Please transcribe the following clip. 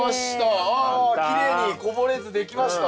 あきれいにこぼれず出来ました。